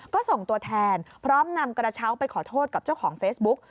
ก็ส่งตัวแทนพร้อมนำกระเช้าไปขอโทษกับเจ้าของเฟซบุ๊ก